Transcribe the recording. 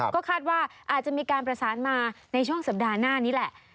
ก็คาดว่าอาจจะมีการประสานมาในช่วงสัปดาห์หน้านี้แหละ